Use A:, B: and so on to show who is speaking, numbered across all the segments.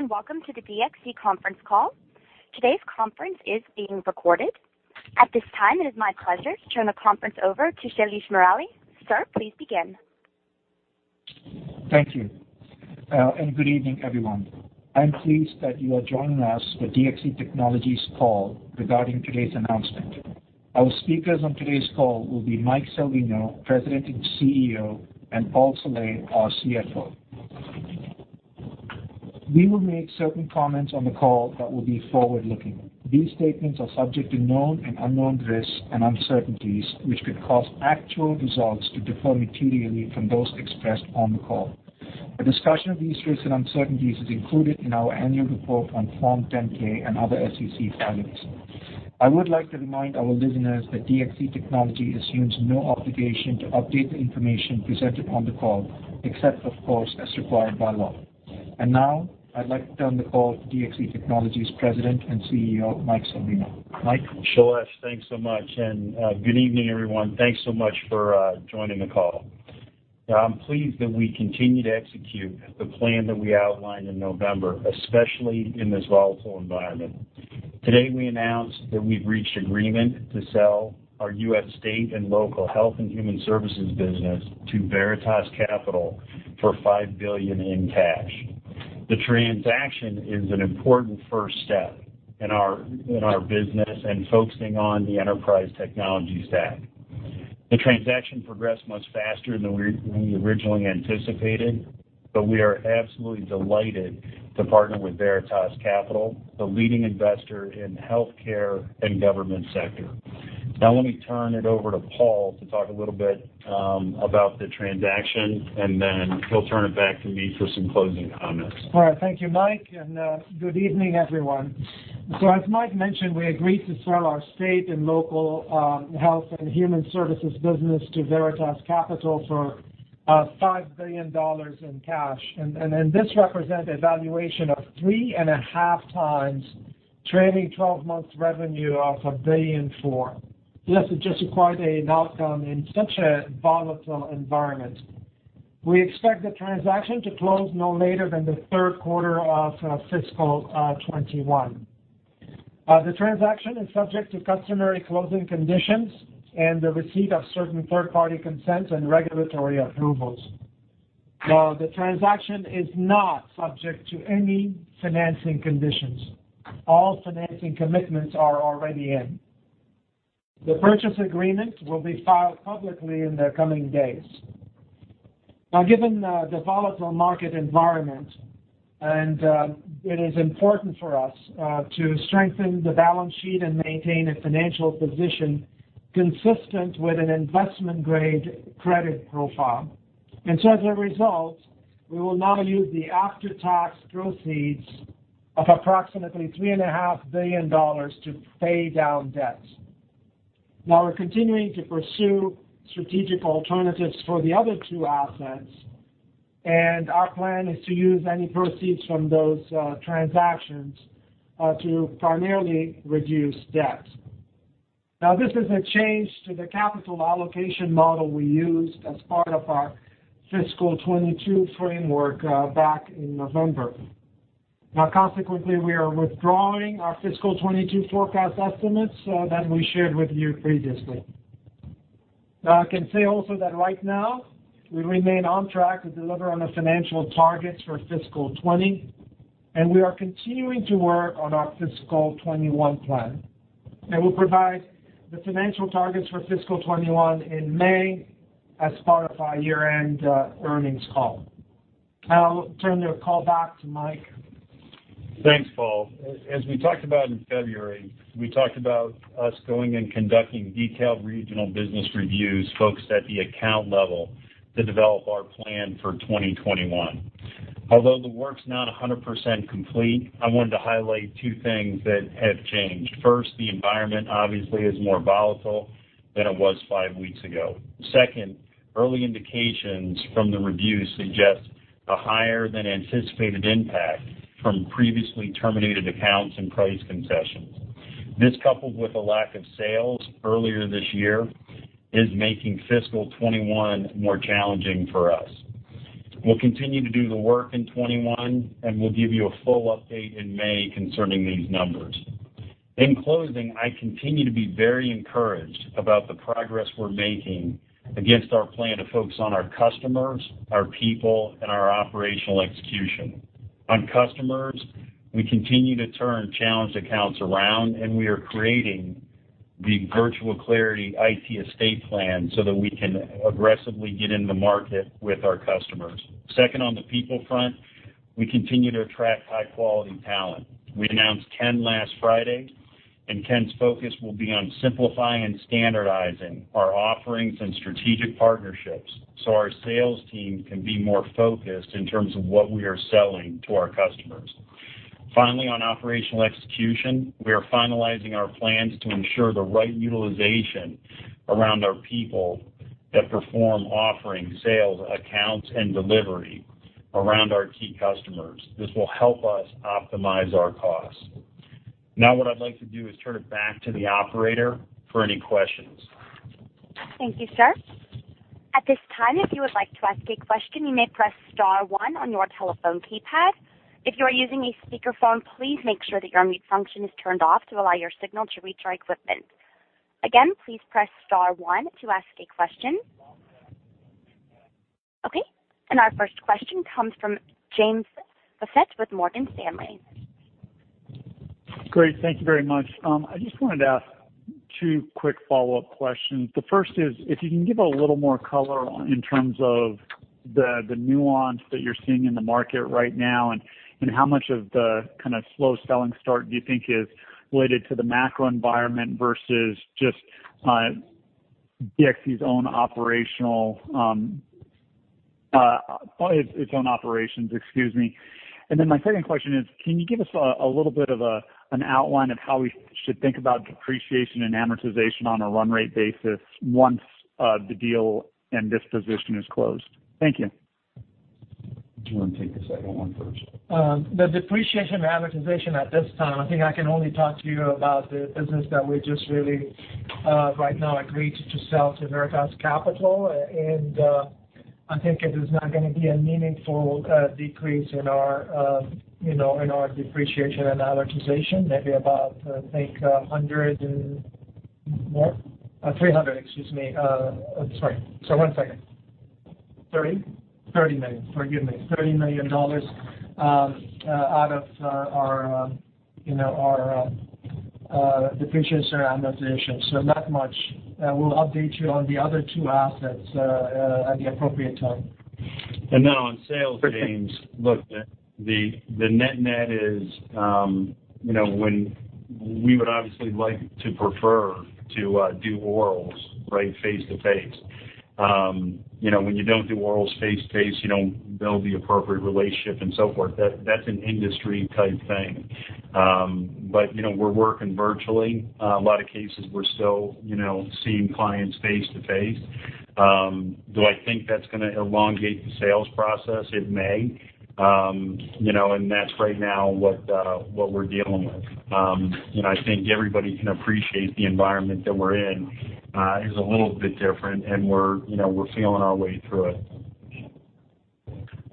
A: Good day and welcome to the DXC conference call. Today's conference is being recorded. At this time, it is my pleasure to turn the conference over to Shailesh Murali. Sir, please begin.
B: Thank you, and good evening, everyone. I'm pleased that you are joining us for DXC Technology's call regarding today's announcement. Our speakers on today's call will be Mike Salvino, President and CEO, and Paul Saleh, our CFO. We will make certain comments on the call that will be forward-looking. These statements are subject to known and unknown risks and uncertainties, which could cause actual results to differ materially from those expressed on the call. The discussion of these risks and uncertainties is included in our annual report on Form 10-K and other SEC filings. I would like to remind our listeners that DXC Technology assumes no obligation to update the information presented on the call, except, of course, as required by law. And now, I'd like to turn the call to DXC Technology's President and CEO, Mike Salvino. Mike.
C: Sure, Ash, thanks so much. And good evening, everyone. Thanks so much for joining the call. I'm pleased that we continue to execute the plan that we outlined in November, especially in this volatile environment. Today, we announced that we've reached agreement to sell our U.S. State and Local Health and Human Services business to Veritas Capital for $5 billion in cash. The transaction is an important first step in our business and focusing on the enterprise technology stack. The transaction progressed much faster than we originally anticipated, but we are absolutely delighted to partner with Veritas Capital, the leading investor in the healthcare and government sector. Now, let me turn it over to Paul to talk a little bit about the transaction, and then he'll turn it back to me for some closing comments.
D: All right, thank you, Mike, and good evening, everyone. So, as Mike mentioned, we agreed to sell our State and Local Health and Human Services business to Veritas Capital for $5 billion in cash, and this represents a valuation of three and a half times trailing 12 months' revenue of $1.4 billion. Yes, it's a great outcome in such a volatile environment. We expect the transaction to close no later than the third quarter of fiscal 2021. The transaction is subject to customary closing conditions and the receipt of certain third-party consents and regulatory approvals. Now, the transaction is not subject to any financing conditions. All financing commitments are already in. The purchase agreement will be filed publicly in the coming days. Now, given the volatile market environment, it is important for us to strengthen the balance sheet and maintain a financial position consistent with an investment-grade credit profile. And so, as a result, we will now use the after-tax proceeds of approximately $3.5 billion to pay down debt. Now, we're continuing to pursue strategic alternatives for the other two assets, and our plan is to use any proceeds from those transactions to primarily reduce debt. Now, this is a change to the capital allocation model we used as part of our fiscal 2022 framework back in November. Now, consequently, we are withdrawing our fiscal 2022 forecast estimates that we shared with you previously. Now, I can say also that right now, we remain on track to deliver on the financial targets for fiscal 2020, and we are continuing to work on our fiscal 2021 plan. We'll provide the financial targets for fiscal 2021 in May as part of our year-end earnings call. I'll turn the call back to Mike.
C: Thanks, Paul. As we talked about in February, we talked about us going and conducting detailed regional business reviews focused at the account level to develop our plan for 2021. Although the work's not 100% complete, I wanted to highlight two things that have changed. First, the environment obviously is more volatile than it was five weeks ago. Second, early indications from the reviews suggest a higher-than-anticipated impact from previously terminated accounts and price concessions. This, coupled with a lack of sales earlier this year, is making fiscal 2021 more challenging for us. We'll continue to do the work in 2021, and we'll give you a full update in May concerning these numbers. In closing, I continue to be very encouraged about the progress we're making against our plan to focus on our customers, our people, and our operational execution. On customers, we continue to turn challenged accounts around, and we are creating the Virtual Clarity IT estate plan so that we can aggressively get into the market with our customers. Second, on the people front, we continue to attract high-quality talent. We announced Ken last Friday, and Ken's focus will be on simplifying and standardizing our offerings and strategic partnerships so our sales team can be more focused in terms of what we are selling to our customers. Finally, on operational execution, we are finalizing our plans to ensure the right utilization around our people that perform offering, sales, accounts, and delivery around our key customers. This will help us optimize our costs. Now, what I'd like to do is turn it back to the operator for any questions.
A: Thank you, sir. At this time, if you would like to ask a question, you may press star one on your telephone keypad. If you are using a speakerphone, please make sure that your mute function is turned off to allow your signal to reach our equipment. Again, please press star one to ask a question. Okay. And our first question comes from James Faucette with Morgan Stanley.
E: Great. Thank you very much. I just wanted to ask two quick follow-up questions. The first is, if you can give a little more color in terms of the nuance that you're seeing in the market right now and how much of the kind of slow selling start do you think is related to the macro environment versus just DXC's own operational, its own operations, excuse me? And then my second question is, can you give us a little bit of an outline of how we should think about depreciation and amortization on a run rate basis once the deal and disposition is closed? Thank you.
C: Do you want to take the second one first?
D: The depreciation and amortization at this time, I think I can only talk to you about the business that we just really right now agreed to sell to Veritas Capital. I think it is not going to be a meaningful decrease in our depreciation and amortization, maybe about, I think, 100 and more 300, excuse me. Sorry. So one second. 30 million. Forgive me. $30 million out of our depreciation and amortization. Not much. We'll update you on the other two assets at the appropriate time.
C: And now on sales, James, look, the net-net is when we would obviously like to prefer to do orals, right, face-to-face. When you don't do orals face-to-face, you don't build the appropriate relationship and so forth. That's an industry-type thing. But we're working virtually. A lot of cases, we're still seeing clients face-to-face. Do I think that's going to elongate the sales process? It may. And that's right now what we're dealing with. And I think everybody can appreciate the environment that we're in is a little bit different, and we're feeling our way through it.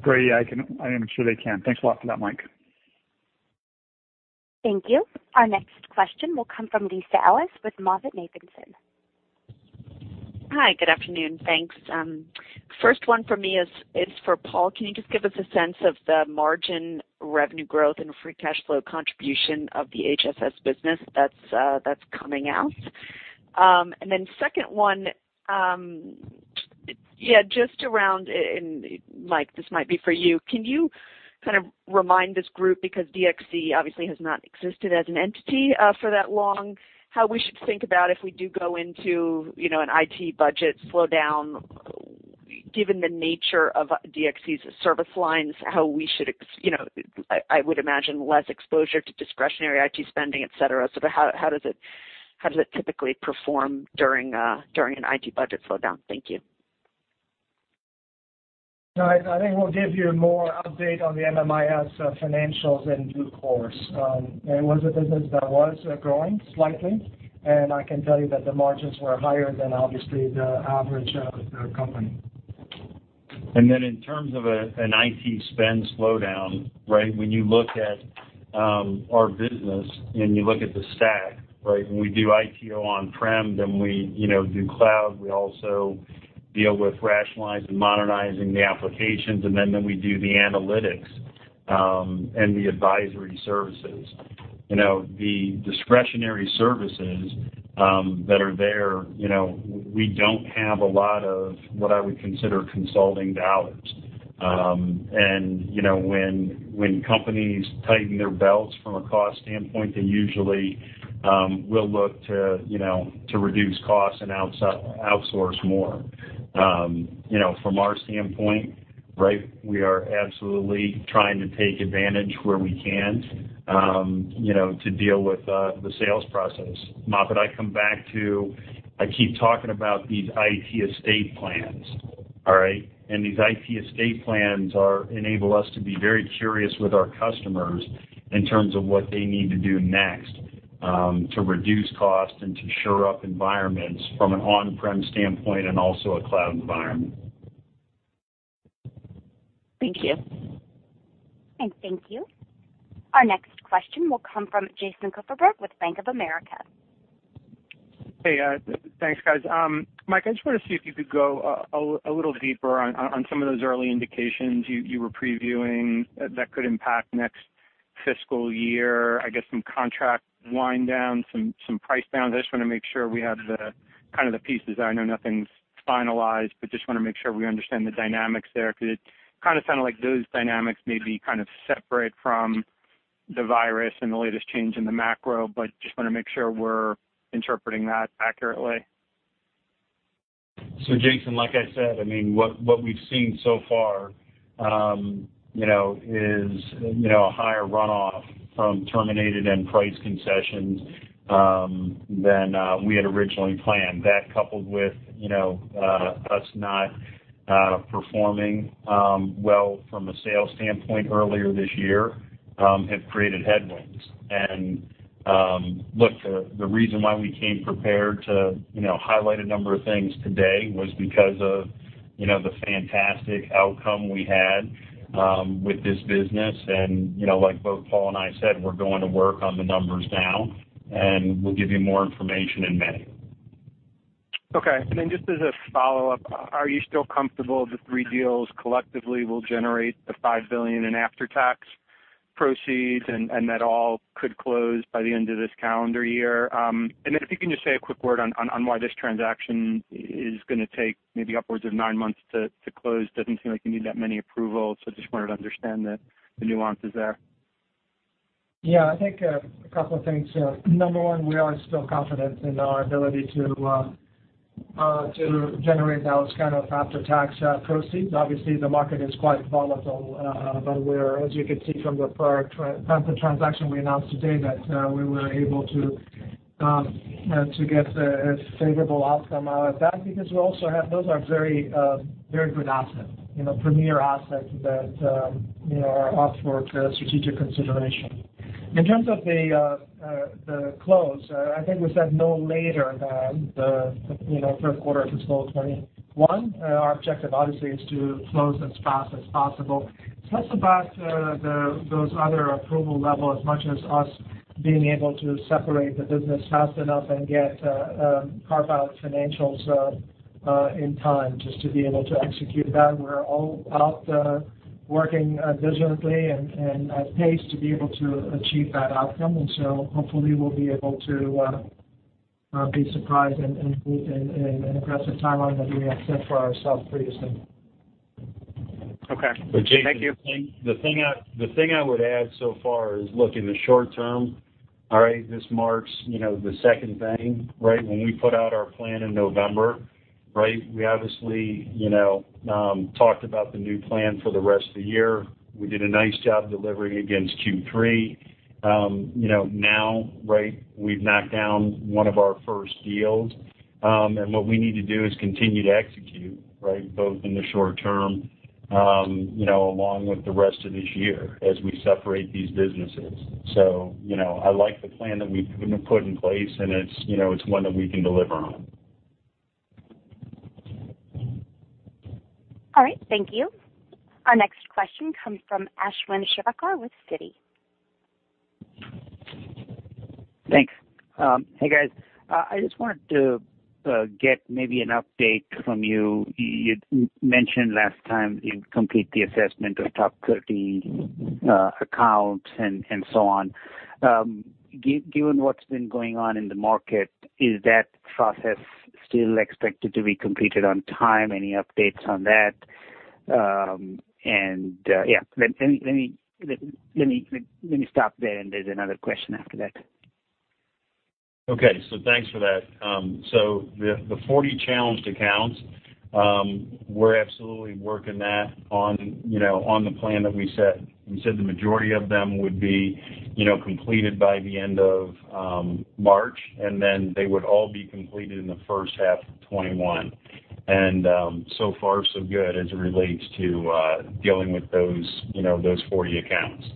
E: Great. I am sure they can. Thanks a lot for that, Mike.
A: Thank you. Our next question will come from Lisa Ellis with MoffettNathanson.
F: Hi, good afternoon. Thanks. First one for me is for Paul. Can you just give us a sense of the margin revenue growth and free cash flow contribution of the HHS business that's coming out? And then second one, yeah, just around, and Mike, this might be for you. Can you kind of remind this group, because DXC obviously has not existed as an entity for that long, how we should think about if we do go into an IT budget slowdown, given the nature of DXC's service lines, how we should, I would imagine, less exposure to discretionary IT spending, etc.? So how does it typically perform during an IT budget slowdown? Thank you.
D: I think we'll give you more update on the MMIS financials in due course. It was a business that was growing slightly, and I can tell you that the margins were higher than, obviously, the average of the company.
C: And then, in terms of an IT spend slowdown, right, when you look at our business and you look at the stack, right, when we do ITO on-prem, then we do cloud. We also deal with rationalizing and modernizing the applications, and then we do the analytics and the advisory services. The discretionary services that are there, we don't have a lot of what I would consider consulting dollars. And when companies tighten their belts from a cost standpoint, they usually will look to reduce costs and outsource more. From our standpoint, right, we are absolutely trying to take advantage where we can to deal with the sales process. Moffett, I come back to. I keep talking about these IT estate plans, all right? These IT estate plans enable us to be very curious with our customers in terms of what they need to do next to reduce costs and to shore up environments from an on-prem standpoint and also a cloud environment.
F: Thank you.
A: And thank you. Our next question will come from Jason Kupferberg with Bank of America.
G: Hey, thanks, guys. Mike, I just want to see if you could go a little deeper on some of those early indications you were previewing that could impact next fiscal year, I guess, some contract wind down, some price downs. I just want to make sure we have kind of the pieces. I know nothing's finalized, but just want to make sure we understand the dynamics there because it kind of sounded like those dynamics may be kind of separate from the virus and the latest change in the macro, but just want to make sure we're interpreting that accurately.
C: So Jason, like I said, I mean, what we've seen so far is a higher runoff from terminated and price concessions than we had originally planned. That, coupled with us not performing well from a sales standpoint earlier this year, have created headwinds. And look, the reason why we came prepared to highlight a number of things today was because of the fantastic outcome we had with this business. And like both Paul and I said, we're going to work on the numbers now, and we'll give you more information in May.
G: Okay. And then just as a follow-up, are you still comfortable the three deals collectively will generate the $5 billion in after-tax proceeds, and that all could close by the end of this calendar year? And then if you can just say a quick word on why this transaction is going to take maybe upwards of nine months to close. Doesn't seem like you need that many approvals, so just wanted to understand the nuances there.
D: Yeah. I think a couple of things. Number one, we are still confident in our ability to generate those kind of after-tax proceeds. Obviously, the market is quite volatile, but as you can see from the prior transaction we announced today, that we were able to get a favorable outcome out of that because those are very good assets, premier assets that are up for strategic consideration. In terms of the close, I think we said no later than the third quarter of fiscal 2021. Our objective, obviously, is to close as fast as possible. It's less about those other approval levels as much as us being able to separate the business fast enough and get carve-out financials in time just to be able to execute that. We're all out working vigilantly and at pace to be able to achieve that outcome. And so hopefully, we'll be able to be surprised in an aggressive timeline that we had set for ourselves previously.
C: Okay. Thank you. The thing I would add so far is, look, in the short term, all right, this marks the second thing, right? When we put out our plan in November, right, we obviously talked about the new plan for the rest of the year. We did a nice job delivering against Q3. Now, right, we've knocked down one of our first deals. And what we need to do is continue to execute, right, both in the short term along with the rest of this year as we separate these businesses. So I like the plan that we've put in place, and it's one that we can deliver on.
A: All right. Thank you. Our next question comes from Ashwin Shirvaikar with Citi.
H: Thanks. Hey, guys. I just wanted to get maybe an update from you. You mentioned last time you complete the assessment of top 30 accounts and so on. Given what's been going on in the market, is that process still expected to be completed on time? Any updates on that? And yeah, let me stop there, and there's another question after that.
C: Okay. So thanks for that. So the 40 challenged accounts, we're absolutely working that on the plan that we set. We said the majority of them would be completed by the end of March, and then they would all be completed in the first half of 2021. And so far, so good as it relates to dealing with those 40 accounts.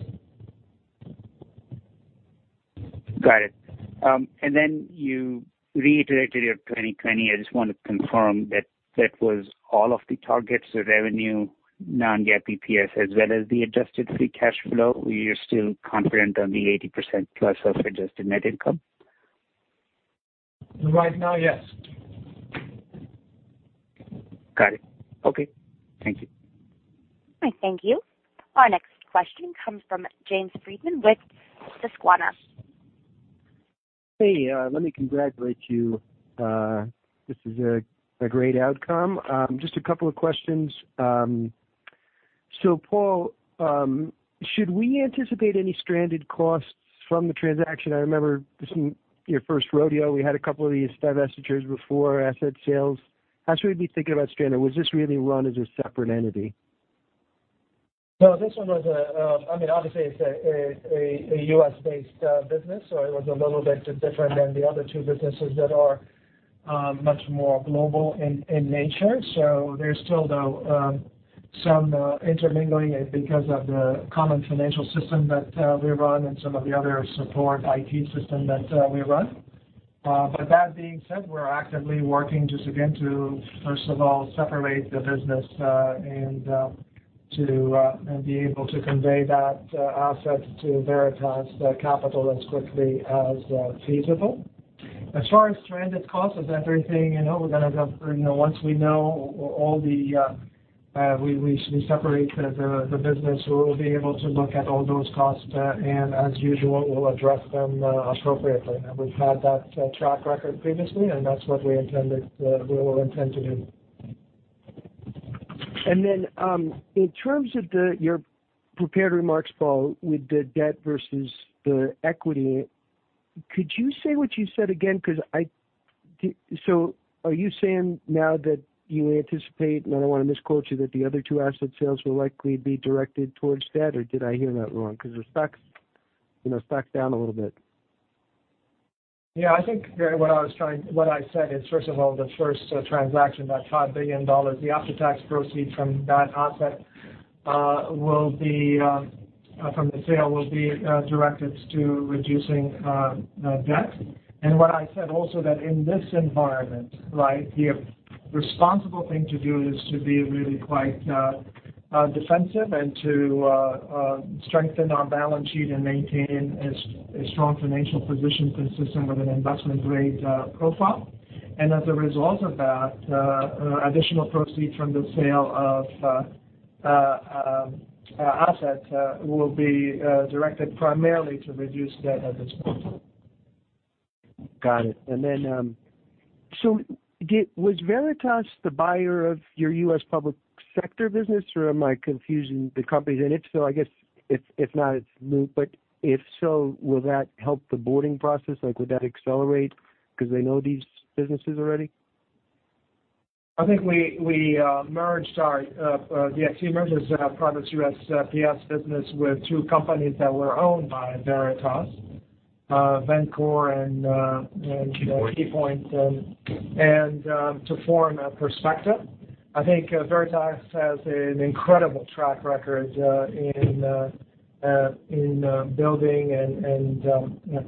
H: Got it. And then you reiterated your 2020. I just want to confirm that that was all of the targets, the revenue, Non-GAAP EPS, as well as the Adjusted Free Cash Flow. You're still confident on the 80% plus of Adjusted Net Income?
D: Right now, yes.
H: Got it. Okay. Thank you.
A: All right. Thank you. Our next question comes from James Friedman with Susquehanna.
I: Hey, let me congratulate you. This is a great outcome. Just a couple of questions. So Paul, should we anticipate any stranded costs from the transaction? I remember this was your first rodeo. We had a couple of these divestitures before, asset sales. How should we be thinking about stranded? Was this really run as a separate entity?
D: No, this one was. I mean, obviously, it's a U.S.-based business, so it was a little bit different than the other two businesses that are much more global in nature. So there's still, though, some intermingling because of the common financial system that we run and some of the other support IT system that we run. But that being said, we're actively working just, again, to, first of all, separate the business and to be able to convey that asset to Veritas Capital as quickly as feasible. As far as stranded costs and everything, we're going to, once we know all the we separate the business, we will be able to look at all those costs, and as usual, we'll address them appropriately. We've had that track record previously, and that's what we intend to do.
I: Then in terms of your prepared remarks, Paul, with the debt versus the equity, could you say what you said again? So are you saying now that you anticipate, and I don't want to misquote you, that the other two asset sales will likely be directed towards debt, or did I hear that wrong? Because the stock's down a little bit.
D: Yeah. I think what I was trying, what I said is, first of all, the first transaction, that $5 billion, the after-tax proceeds from the sale of that asset will be directed to reducing debt. And what I said also is that in this environment, right, the responsible thing to do is to be really quite defensive and to strengthen our balance sheet and maintain a strong financial position consistent with an investment-grade profile. And as a result of that, additional proceeds from the sale of assets will be directed primarily to reduce debt at this point.
I: Got it. And then so was Veritas the buyer of your U.S. public sector business, or am I confusing the companies? And if so, I guess if not, it's moot. But if so, will that help the boarding process? Would that accelerate because they know these businesses already?
D: I think we merged our -- we actually merged those private U.S. -- PS business with two companies that were owned by Veritas, Vencore and KeyPoint, and to form Perspecta. I think Veritas has an incredible track record in building and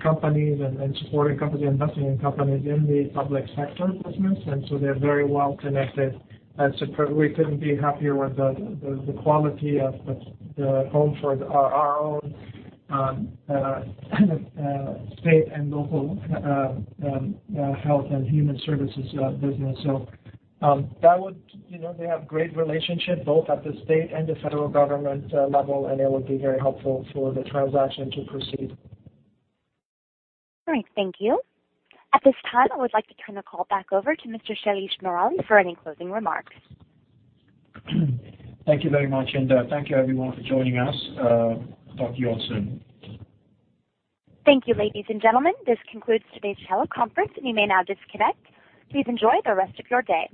D: companies and supporting companies and investing in companies in the public sector business. So they're very well connected. We couldn't be happier with the quality of the home for our U.S. state and local health and human services business. So they have great relationship both at the state and the federal government level, and it would be very helpful for the transaction to proceed.
A: All right. Thank you. At this time, I would like to turn the call back over to Mr. Shailesh Murali for any closing remarks.
B: Thank you very much, and thank you, everyone, for joining us. Talk to you all soon.
A: Thank you, ladies and gentlemen. This concludes today's teleconference, and you may now disconnect. Please enjoy the rest of your day.